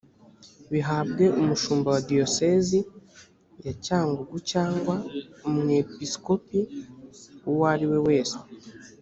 bihabwe umshumba wa diyosezi ya cyangugu cg umwepisikopi uwo ariwe wese